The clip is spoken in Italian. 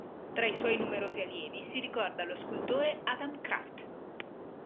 Tra i suoi numerosi allievi, si ricorda lo scultore Adam Kraft.